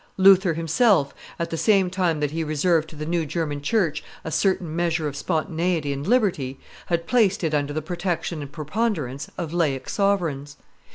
Luther himself, at the same time that he reserved to the new German church a certain measure of spontaneity and liberty, had placed it under the protection and preponderance of laic sovereigns.